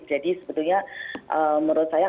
jadi sebetulnya menurut saya